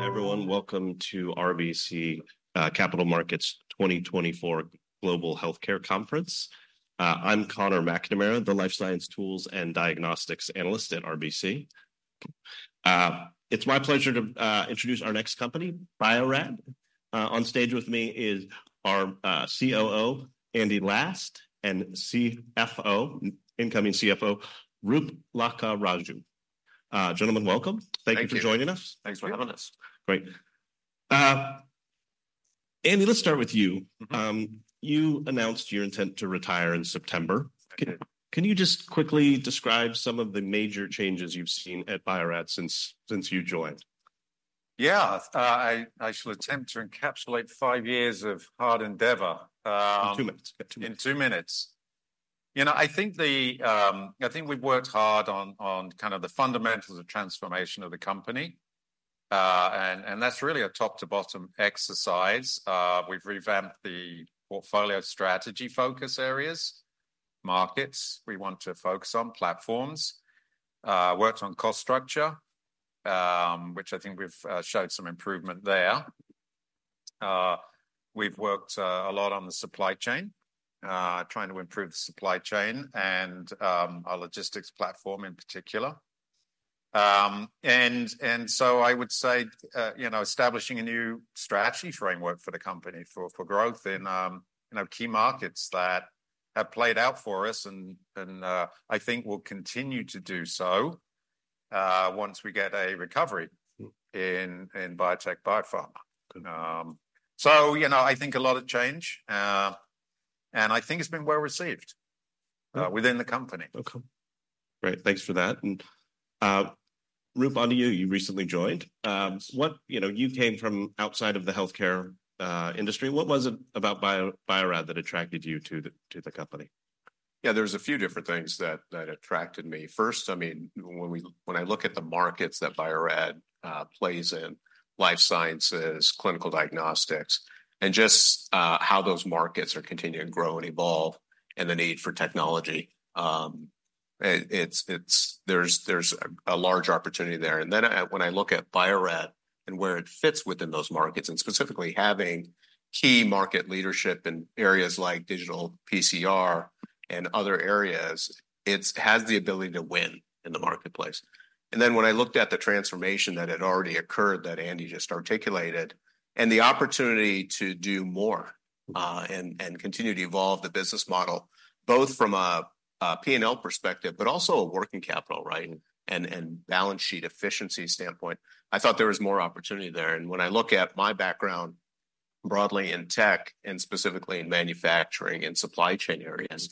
Everyone, welcome to RBC Capital Markets 2024 Global Healthcare Conference. I'm Conor McNamara, the life science tools and diagnostics analyst at RBC. It's my pleasure to introduce our next company, Bio-Rad. On stage with me is our COO, Andy Last, and CFO, incoming CFO, Roop Lakkaraju. Gentlemen, welcome. Thank you. Thank you. Thank you for joining us. Thanks for having us. Great. Andy, let's start with you. Mm-hmm. You announced your intent to retire in September. I did. Can you just quickly describe some of the major changes you've seen at Bio-Rad since you joined? Yeah. I shall attempt to encapsulate five years of hard endeavor. In two minutes. Get two minutes. In two minutes. You know, I think we've worked hard on kind of the fundamentals of transformation of the company, and that's really a top to bottom exercise. We've revamped the portfolio strategy focus areas, markets we want to focus on, platforms, worked on cost structure, which I think we've showed some improvement there. We've worked a lot on the supply chain, trying to improve the supply chain and our logistics platform in particular. And so I would say, you know, establishing a new strategy framework for the company for growth in, you know, key markets that have played out for us and, I think will continue to do so, once we get a recovery.... in biotech, biopharma. Good. You know, I think a lot of change, and I think it's been well received-... within the company. Okay. Great. Thanks for that, and, Roop, onto you. You recently joined. You know, you came from outside of the healthcare industry. What was it about Bio, Bio-Rad that attracted you to the, to the company? Yeah, there's a few different things that attracted me. First, I mean, when I look at the markets that Bio-Rad plays in, life sciences, clinical diagnostics, and just how those markets are continuing to grow and evolve, and the need for technology, it's a large opportunity there. And then, when I look at Bio-Rad and where it fits within those markets, and specifically having key market leadership in areas like digital PCR and other areas, it has the ability to win in the marketplace. And then, when I looked at the transformation that had already occurred, that Andy just articulated, and the opportunity to do more-... and continue to evolve the business model, both from a P&L perspective, but also a working capital, right, and balance sheet efficiency standpoint, I thought there was more opportunity there. And when I look at my background broadly in tech, and specifically in manufacturing and supply chain areas-...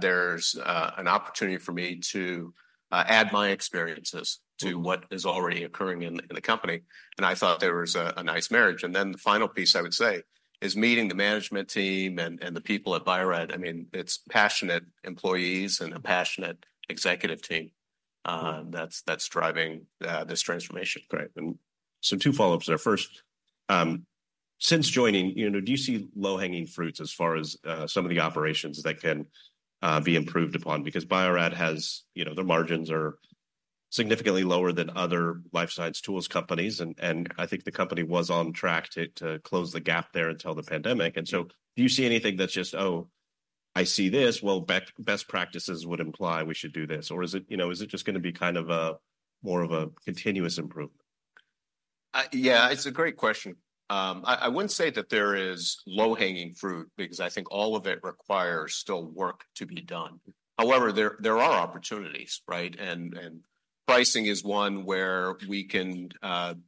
there's an opportunity for me to add my experiences-... to what is already occurring in the, in the company, and I thought there was a, a nice marriage. And then the final piece I would say is meeting the management team and, and the people at Bio-Rad. I mean, it's passionate employees and a passionate executive team.... that's, that's driving this transformation. Great, and so two follow-ups there. First, since joining, you know, do you see low-hanging fruits as far as some of the operations that can be improved upon? Because Bio-Rad has... You know, their margins are significantly lower than other life science tools companies, and I think the company was on track to close the gap there until the pandemic. Yeah. And so do you see anything that's just, "Oh, I see this, well, best practices would imply we should do this"? Or is it, you know, is it just gonna be kind of a more of a continuous improvement? Yeah, it's a great question. I wouldn't say that there is low-hanging fruit because I think all of it requires still work to be done. However, there are opportunities, right? And pricing is one where we can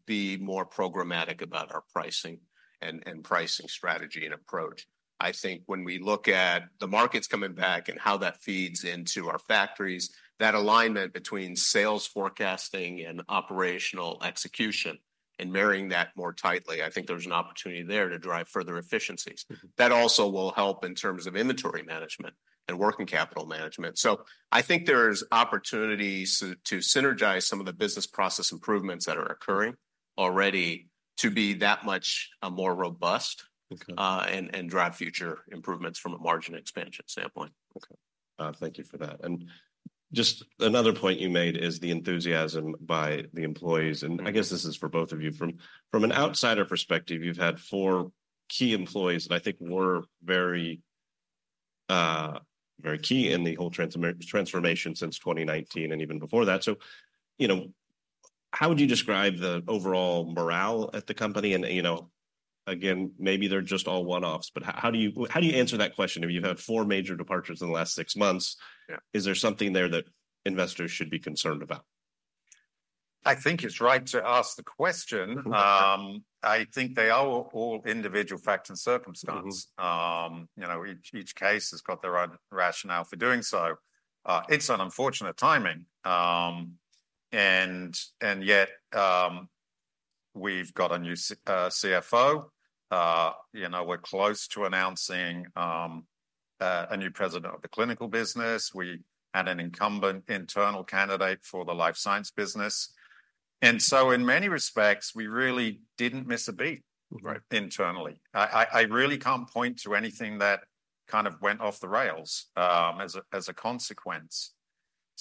be more programmatic about our pricing and pricing strategy and approach. I think when we look at the markets coming back and how that feeds into our factories, that alignment between sales forecasting and operational execution, and marrying that more tightly, I think there's an opportunity there to drive further efficiencies. That also will help in terms of inventory management and working capital management. So I think there's opportunities to synergize some of the business process improvements that are occurring already to be that much, more robust- Okay... and drive future improvements from a margin expansion standpoint. Okay, thank you for that. Just another point you made is the enthusiasm by the employees, and-... I guess this is for both of you. From an outsider perspective, you've had four key employees that I think were very, very key in the whole transformation since 2019 and even before that. So, you know, how would you describe the overall morale at the company? And, you know, again, maybe they're just all one-offs, but how do you, how do you answer that question? I mean, you've had four major departures in the last six months. Yeah. Is there something there that investors should be concerned about? I think it's right to ask the question. Okay. I think they are all individual facts and circumstances. Mm-hmm. You know, each case has got their own rationale for doing so. It's unfortunate timing. And yet, we've got a new CFO. You know, we're close to announcing a new president of the clinical business. We had an incumbent internal candidate for the life science business. And so, in many respects, we really didn't miss a beat- Mm, great ...internally. I really can't point to anything that kind of went off the rails, as a consequence-...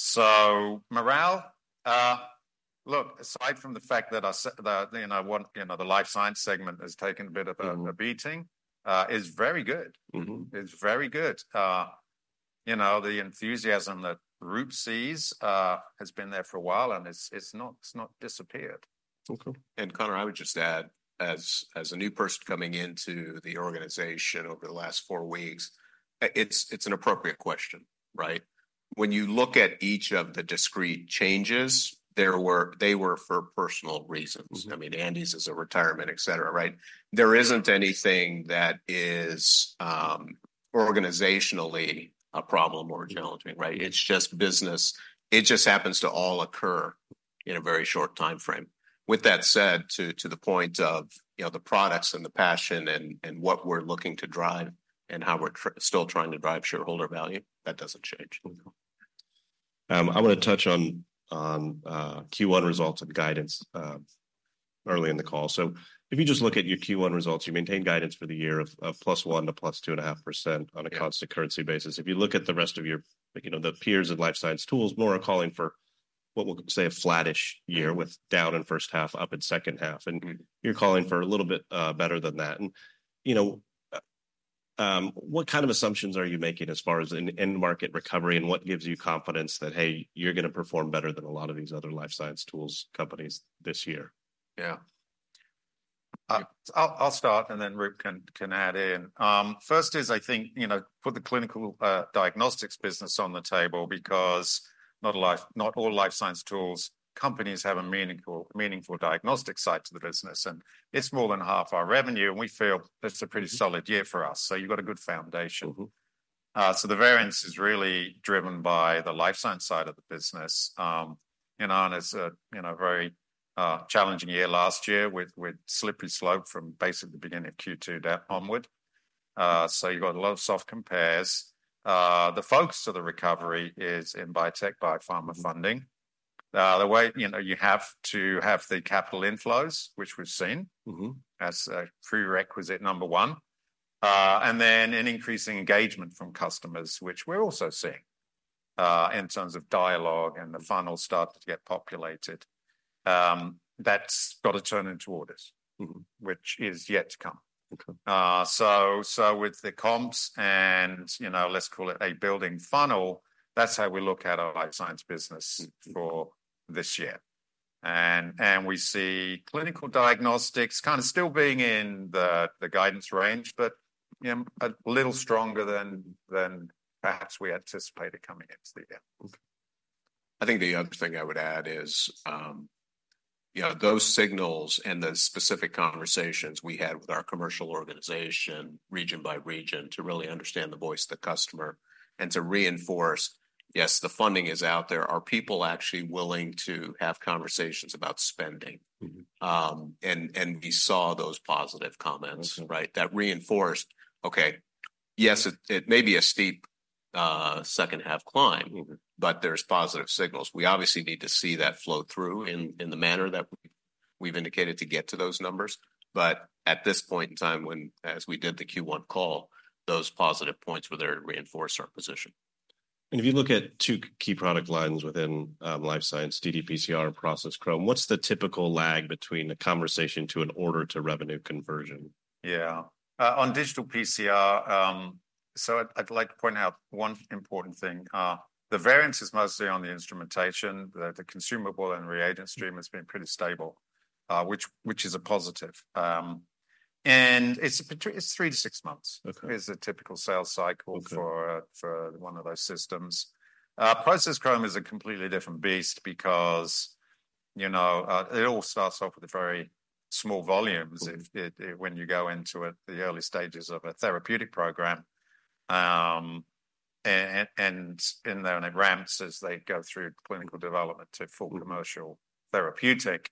So morale, look, aside from the fact that I said that, you know, one, you know, the life science segment has taken a bit of a-... a beating, is very good. Mm-hmm. It's very good. You know, the enthusiasm that Roop sees has been there for a while, and it's not disappeared. Okay. And Conor, I would just add, as, as a new person coming into the organization over the last four weeks, it's, it's an appropriate question, right? When you look at each of the discrete changes, they were for personal reasons. I mean, Andy's is a retirement, et cetera, right? There isn't anything that is organizationally a problem or challenging, right? It's just business. It just happens to all occur in a very short timeframe. With that said, to the point of, you know, the products and the passion and, and what we're looking to drive and how we're still trying to drive shareholder value, that doesn't change. Mm-hmm. I want to touch on Q1 results and guidance early in the call. So if you just look at your Q1 results, you maintain guidance for the year of +1% to +2.5%. Yeah... on a constant currency basis. If you look at the rest of your, you know, the peers of life science tools, more are calling for what we'll say, a flattish year with down in first half, up in second half. And you're calling for a little bit better than that. And, you know, what kind of assumptions are you making as far as in market recovery, and what gives you confidence that, hey, you're going to perform better than a lot of these other life science tools companies this year? Yeah. I'll start, and then Roop can add in. First is I think, you know, put the clinical diagnostics business on the table because not all life science tools companies have a meaningful diagnostic side to the business, and it's more than half our revenue, and we feel it's a pretty solid year for us. So you've got a good foundation. Mm-hmm. So the variance is really driven by the life science side of the business. You know, and it's a, you know, very challenging year last year with slippery slope from basically the beginning of Q2 down onward. So you've got a lot of soft compares. The focus of the recovery is in biotech, biopharma funding. The way, you know, you have to have the capital inflows, which we've seen- Mm-hmm... as a prerequisite number one, and then an increasing engagement from customers, which we're also seeing, in terms of dialogue and the funnel start to get populated. That's got to turn into orders- Mm-hmm... which is yet to come. Okay. So, with the comps and, you know, let's call it a building funnel, that's how we look at our life science business. Mm-hmm... for this year. And we see clinical diagnostics kind of still being in the guidance range, but, you know, a little stronger than perhaps we anticipated coming into the year. Mm-hmm. I think the other thing I would add is, you know, those signals and the specific conversations we had with our commercial organization, region by region, to really understand the voice of the customer and to reinforce, yes, the funding is out there. Are people actually willing to have conversations about spending? Mm-hmm. We saw those positive comments. Mm-hmm... right, that reinforced, okay, yes, it, it may be a steep, second half climb- Mm-hmm... but there's positive signals. We obviously need to see that flow through in, in the manner that we've indicated to get to those numbers. But at this point in time, when, as we did the Q1 call, those positive points were there to reinforce our position. If you look at two key product lines within life science, ddPCR and Process Chrom, what's the typical lag between the conversation to an order to revenue conversion? Yeah. On digital PCR, so I'd, I'd like to point out one important thing. The variance is mostly on the instrumentation. The, the consumable and reagent stream has been pretty stable, which, which is a positive. And it's between—it's 3-6 months- Okay... is a typical sales cycle- Okay... for a, for one of those systems. Process Chrom is a completely different beast because, you know, it all starts off with a very small volumes- Mm-hmm... it when you go into it, the early stages of a therapeutic program. And then it ramps as they go through clinical development to full- Mm-hmm... commercial therapeutic.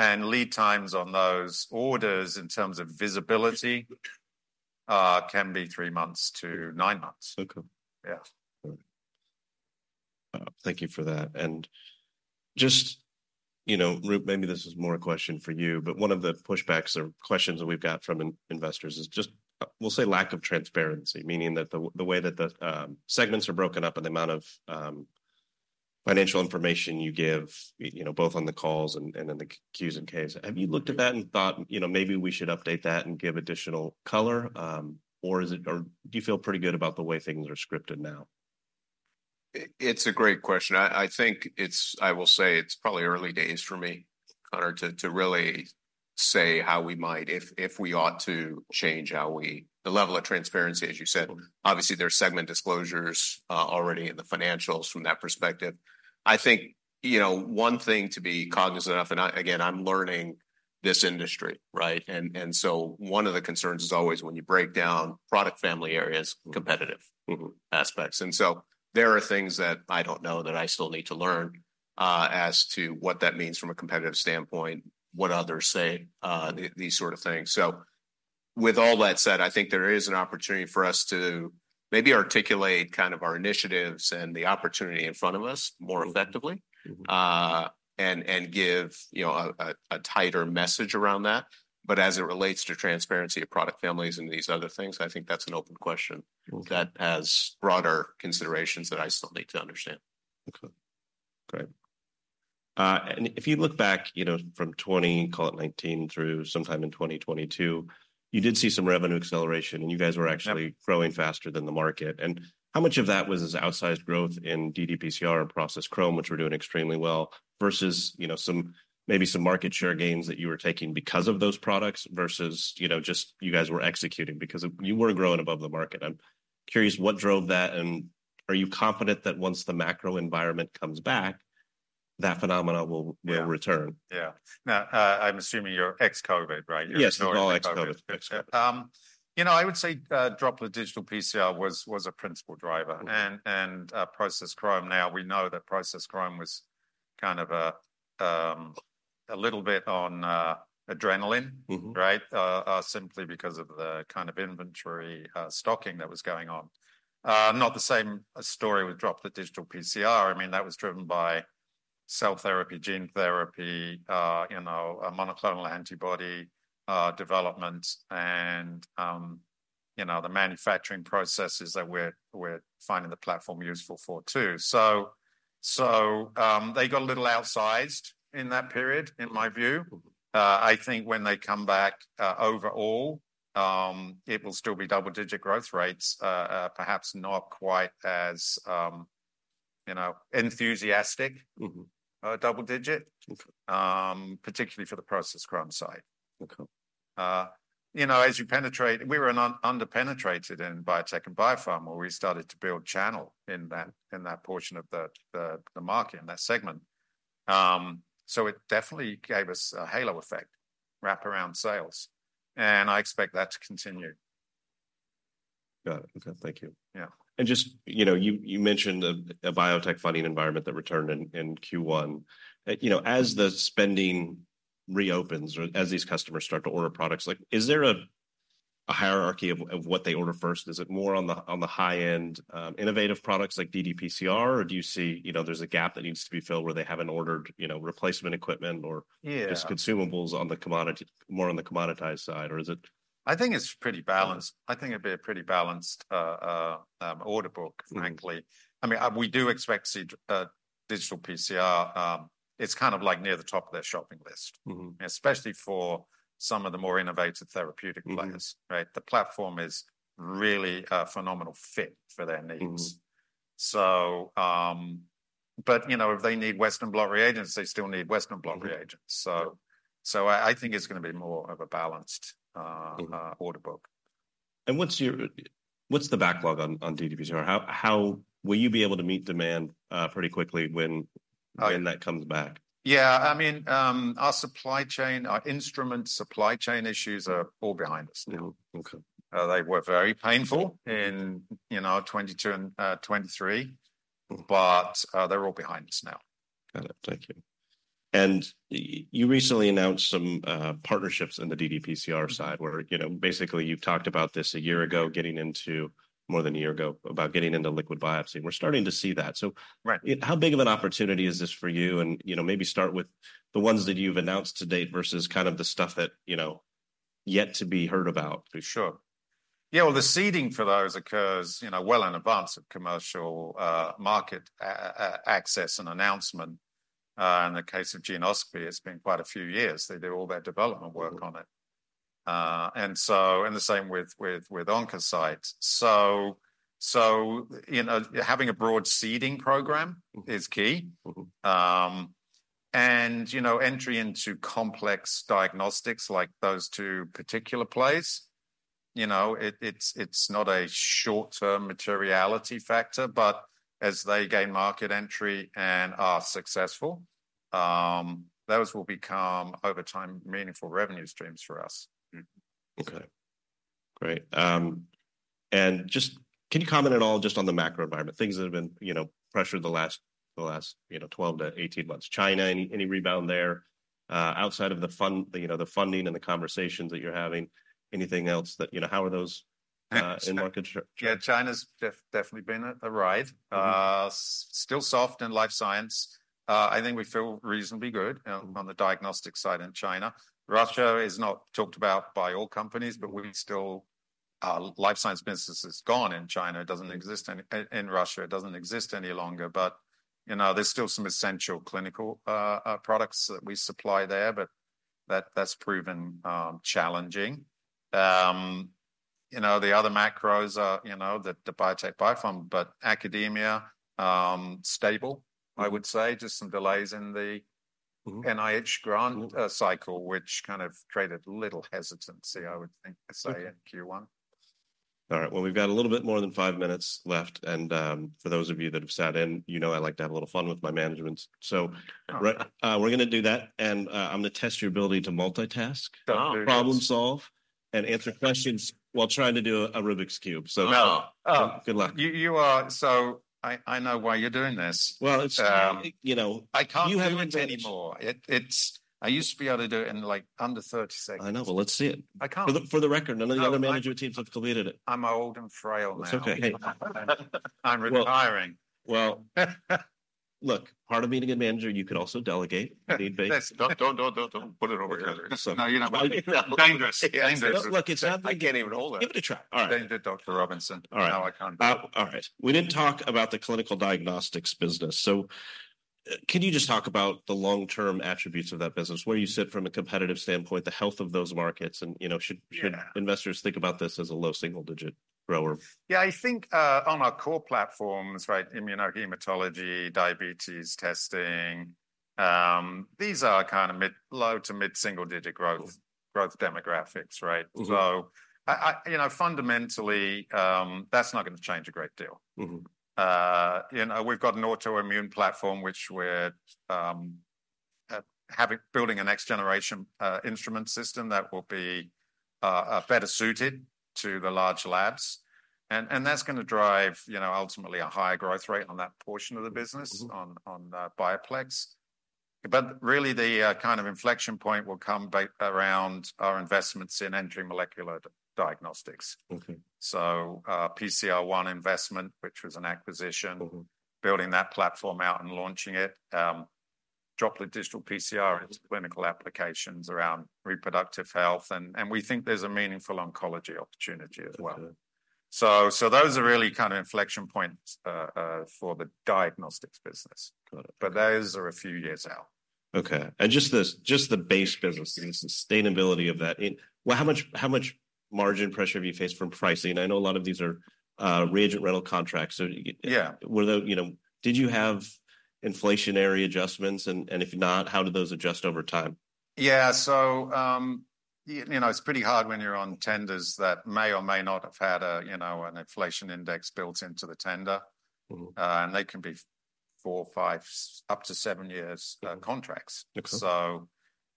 Lead times on those orders, in terms of visibility, can be 3-9 months. Okay. Yeah. Thank you for that. And just, you know, Roop, maybe this is more a question for you, but one of the pushbacks or questions that we've got from investors is just, we'll say, lack of transparency, meaning that the way that the segments are broken up and the amount of financial information you give, you know, both on the calls and in the Qs and Ks. Have you looked at that and thought, you know, maybe we should update that and give additional color? Or is it or do you feel pretty good about the way things are scripted now? It's a great question. I think it's, I will say it's probably early days for me, Conor, to really say how we might, if we ought to change how we, the level of transparency, as you said. Mm-hmm. Obviously, there are segment disclosures already in the financials from that perspective. I think, you know, one thing to be cognizant of, and I, again, I'm learning this industry, right? And so one of the concerns is always when you break down product family areas, competitive- Mm-hmm... aspects. And so there are things that I don't know, that I still need to learn, as to what that means from a competitive standpoint, what others say, these sort of things. So with all that said, I think there is an opportunity for us to maybe articulate kind of our initiatives and the opportunity in front of us more effectively- Mm-hmm... and give, you know, a tighter message around that. But as it relates to transparency of product families and these other things, I think that's an open question- Mm-hmm... that has broader considerations that I still need to understand. Okay. Great... and if you look back, you know, from 2020, call it 2019, through sometime in 2022, you did see some revenue acceleration, and you guys were actually- Yep - growing faster than the market. And how much of that was this outsized growth in ddPCR and Process Chrom, which were doing extremely well, versus, you know, some, maybe some market share gains that you were taking because of those products, versus, you know, just you guys were executing? Because you were growing above the market. I'm curious what drove that, and are you confident that once the macro environment comes back, that phenomena will, will return? Yeah. Yeah. Now, I'm assuming you're ex-COVID, right? Yes, we're all ex-COVID. You know, I would say, Droplet Digital PCR was a principal driver. Mm-hmm. Process Chrom, now we know that Process Chrom was kind of a little bit on adrenaline- Mm-hmm.... right? Simply because of the kind of inventory stocking that was going on. Not the same story with Droplet Digital PCR. I mean, that was driven by cell therapy, gene therapy, you know, monoclonal antibody development, and, you know, the manufacturing processes that we're, we're finding the platform useful for too. So, they got a little outsized in that period, in my view. Mm-hmm. I think when they come back, overall, it will still be double-digit growth rates, perhaps not quite as, you know, enthusiastic- Mm-hmm... double digit. Mm-hmm. Particularly for the Process Chrom side. Okay. You know, as you penetrate, we were under-penetrated in biotech and biopharma, where we started to build channel in that portion of the market, in that segment. So it definitely gave us a halo effect, wraparound sales, and I expect that to continue. Got it. Okay, thank you. Yeah. Just, you know, you mentioned a biotech funding environment that returned in Q1. You know, as the spending reopens or as these customers start to order products, like, is there a hierarchy of what they order first? Is it more on the high end, innovative products like ddPCR, or do you see, you know, there's a gap that needs to be filled where they haven't ordered, you know, replacement equipment or- Yeah... just consumables on the commodity, more on the commoditized side, or is it- I think it's pretty balanced. I think it'd be a pretty balanced order book, frankly. Mm-hmm. I mean, we do expect to see digital PCR, it's kind of like near the top of their shopping list. Mm-hmm. Especially for some of the more innovative therapeutic players. Mm-hmm. Right? The platform is really a phenomenal fit for their needs. Mm-hmm. You know, if they need Western blot reagents, they still need Western blot reagents. Mm-hmm. I think it's gonna be more of a balanced. Mm-hmm... order book. And what's the backlog on ddPCR? How will you be able to meet demand pretty quickly when- Uh... when that comes back? Yeah. I mean, our supply chain, our instrument supply chain issues are all behind us now. Mm-hmm. Okay. They were very painful-... in, you know, 2022 and 2023, but they're all behind us now. Got it. Thank you. And you recently announced some partnerships in the ddPCR side, where, you know, basically, you've talked about this a year ago, getting into—more than a year ago, about getting into liquid biopsy, and we're starting to see that. So- Right... how big of an opportunity is this for you? You know, maybe start with the ones that you've announced to date versus kind of the stuff that, you know, yet to be heard about. For sure. Yeah, well, the seeding for those occurs, you know, well in advance of commercial market access and announcement. In the case of Geneoscopy, it's been quite a few years. They did all their development work on it. And so, the same with Oncocyte. So, you know, having a broad seeding program- Mm... is key. Mm-hmm. You know, entry into complex diagnostics, like those two particular plays, you know, it's not a short-term materiality factor, but as they gain market entry and are successful, those will become, over time, meaningful revenue streams for us. Okay. Great. And just, can you comment at all just on the macro environment, things that have been, you know, pressured the last, you know, 12-18 months? China, any rebound there, outside of the funding and the conversations that you're having, anything else that... You know, how are those in market share? Yeah, China's definitely been a ride. Mm-hmm. Still soft in life science. I think we feel reasonably good- Mm... on the diagnostic side in China. Russia is not talked about by all companies, but we still- Life science business is gone in China. It doesn't exist in Russia; it doesn't exist any longer. But, you know, there's still some essential clinical products that we supply there, but that's proven challenging. You know, the other macros are, you know, the biotech biopharm, but academia stable, I would say. Just some delays in the- Mm-hmm... NIH grant, cycle-... which kind of created a little hesitancy, I would think to say- Okay... in Q1. All right. Well, we've got a little bit more than five minutes left, and for those of you that have sat in, you know I like to have a little fun with my management. So, right, we're gonna do that, and I'm gonna test your ability to multitask. Oh... problem solve, and answer questions while trying to do a Rubik's Cube. So- No. Good luck. You are... So I know why you're doing this. Well, it's, you know- I can't do it anymore. You have- I used to be able to do it in, like, under 30 seconds. I know, but let's see it. I can't. For the record, none of the other management teams have completed it. I'm old and frail now. It's okay. I'm retiring. Well, look, part of being a good manager, you can also delegate, if need be. Yes, don't put it over here. So- No, you know. Dangerous, dangerous. Look, it's not that- I can't even hold it. Give it a try. All right. Thank you, Dr. Robinson. All right. Now I can't. All right. We didn't talk about the clinical diagnostics business, so, can you just talk about the long-term attributes of that business, where you sit from a competitive standpoint, the health of those markets, and, you know- Yeah Should investors think about this as a low single-digit grower? Yeah, I think on our core platforms, right, Immunohematology, diabetes testing, these are kind of low- to mid-single-digit growth demographics, right? Mm-hmm. So you know, fundamentally, that's not going to change a great deal. Mm-hmm. You know, we've got an autoimmune platform, which we're building a next generation instrument system that will be better suited to the large labs. And that's going to drive, you know, ultimately a higher growth rate on that portion of the business. Mm-hmm... on BioPlex. But really, the kind of inflection point will come back around our investments in entry molecular diagnostics. Okay. PCR|ONE investment, which was an acquisition- Mm-hmm... building that platform out and launching it, Droplet Digital PCR into clinical applications around reproductive health, and, and we think there's a meaningful oncology opportunity as well. Okay. So, those are really kind of inflection points for the diagnostics business. Got it. But those are a few years out. Okay. And just the base business, the sustainability of that, well, how much margin pressure have you faced from pricing? I know a lot of these are reagent rental contracts, so- Yeah... well, you know, did you have inflationary adjustments? And if not, how do those adjust over time? Yeah. So, you know, it's pretty hard when you're on tenders that may or may not have had a, you know, an inflation index built into the tender. Mm-hmm. They can be 4, 5, up to 7 years contracts. Okay.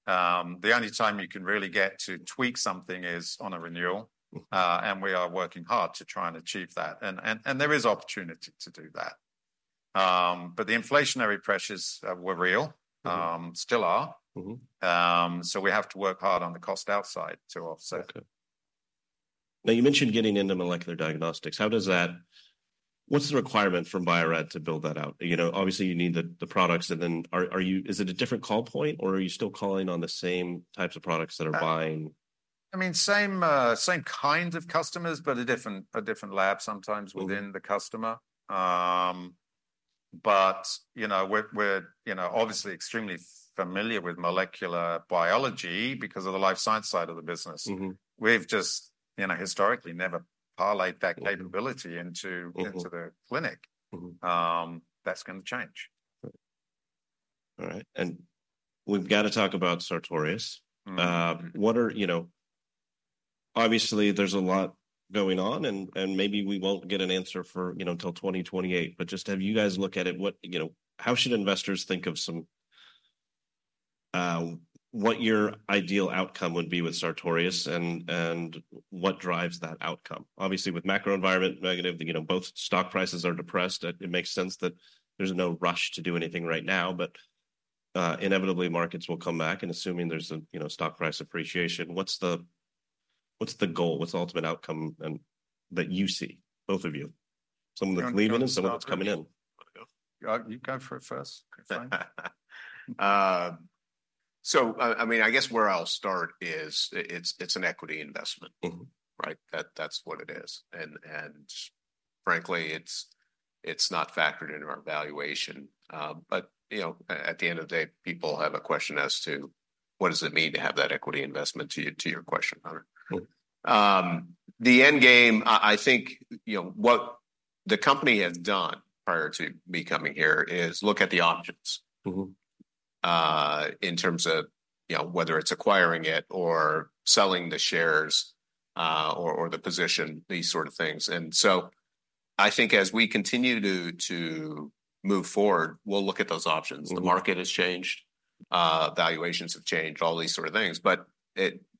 The only time you can really get to tweak something is on a renewal. Mm-hmm. We are working hard to try and achieve that, and there is opportunity to do that. But the inflationary pressures were real- Mm-hmm... still are. Mm-hmm. We have to work hard on the cost outside to offset it. Okay. Now, you mentioned getting into molecular diagnostics. How does that-- what's the requirement from Bio-Rad to build that out? You know, obviously you need the products, and then are you-- is it a different call point, or are you still calling on the same types of products that are buying? I mean, same kind of customers, but a different lab sometimes- Mm-hmm... within the customer. But you know, we're you know, obviously extremely familiar with molecular biology because of the life science side of the business. Mm-hmm. We've just, you know, historically never parlayed that capability- Mm-hmm... into the clinic. Mm-hmm. That's going to change. All right. We've got to talk about Sartorius. Mm-hmm. What are... You know, obviously there's a lot going on, and, and maybe we won't get an answer for, you know, till 2028. But just have you guys look at it, what-- you know, how should investors think of some, what your ideal outcome would be with Sartorius, and, and what drives that outcome? Obviously, with macro environment negative, you know, both stock prices are depressed. It, it makes sense that there's no rush to do anything right now, but, inevitably, markets will come back, and assuming there's a, you know, stock price appreciation, what's the, what's the goal? What's the ultimate outcome and, that you see, both of you? Someone that's leaving and someone that's coming in. You go first. So, I mean, I guess where I'll start is, it's an equity investment. Mm-hmm. Right? That's what it is. And frankly, it's not factored into our valuation. But you know, at the end of the day, people have a question as to what does it mean to have that equity investment, to your question, Hunter. Mm-hmm. The end game, I think, you know, what the company has done prior to me coming here is look at the options- Mm-hmm... in terms of, you know, whether it's acquiring it or selling the shares, or the position, these sort of things. And so I think as we continue to move forward, we'll look at those options. Mm-hmm. The market has changed, valuations have changed, all these sort of things, but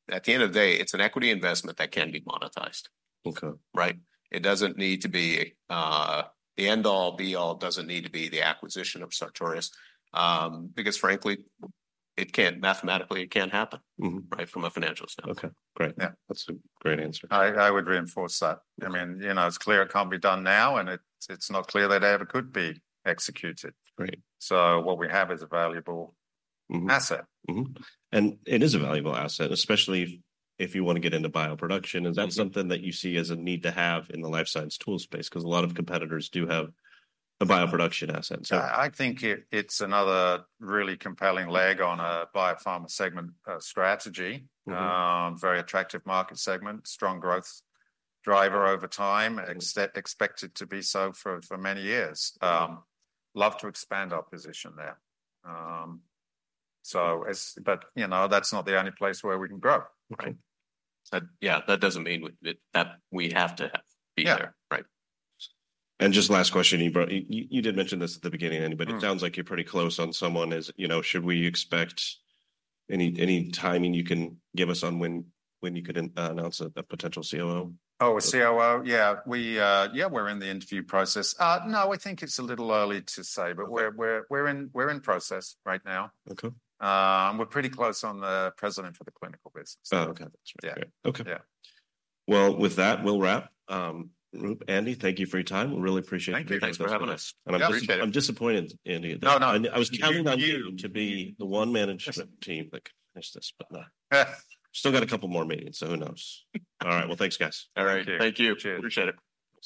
at the end of the day, it's an equity investment that can be monetized. Okay. Right? It doesn't need to be the end all, be all, doesn't need to be the acquisition of Sartorius. Because frankly, it can't--mathematically happen- Mm-hmm... right? From a financial standpoint. Okay, great. Yeah. That's a great answer. I would reinforce that. I mean, you know, it's clear it can't be done now, and it's not clear that it ever could be executed. Great. What we have is a valuable- Mm-hmm... asset. Mm-hmm. And it is a valuable asset, especially if you want to get into bioproduction. Mm-hmm. Is that something that you see as a need to have in the life science tool space? Because a lot of competitors do have a bioproduction asset, so- I think it's another really compelling leg on a biopharma segment strategy. Mm-hmm. Very attractive market segment, strong growth driver over time- Mm-hmm... expected to be so for many years. Love to expand our position there. But you know, that's not the only place where we can grow, right? Okay. So yeah, that doesn't mean that we have to be there. Yeah. Right. Just last question, you did mention this at the beginning, Andy. Mm... but it sounds like you're pretty close on someone, as you know, should we expect any timing you can give us on when you could announce a potential COO? Oh, a COO? Yeah, we, yeah, we're in the interview process. No, I think it's a little early to say- Okay... but we're in process right now. Okay. We're pretty close on the president for the clinical business. Oh, okay. That's right. Yeah. Okay. Yeah. Well, with that, we'll wrap. Roop, Andy, thank you for your time. We really appreciate it. Thank you. Thanks for having us. Yeah. Appreciate it. I'm disappointed, Andy- No, no... I was counting on you to be the one management team that could finish this, but nah. Still got a couple more meetings, so who knows? All right. Well, thanks, guys. All right. Thank you. Cheers. Appreciate it.